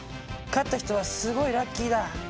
勝った人はすごいラッキーだ！